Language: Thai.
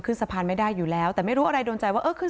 ขึ้นสะพานไม่ได้อยู่แล้วแต่ไม่รู้อะไรโดนใจว่าเออขึ้น